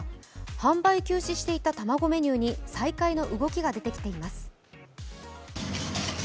販売休止していた卵メニューに再開の動きが出てきています。